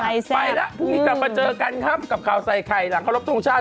ไปแล้วพรุ่งนี้กลับมาเจอกันครับกับข่าวใส่ไข่หลังเคารพทงชาติ